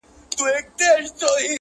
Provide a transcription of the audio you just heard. ور ناورین یې د کارګه غریب مېله کړه!.